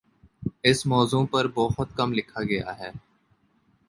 اس موضوع پر بہت کم لکھا گیا ہے